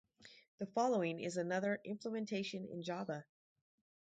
The following is another implementation in Java.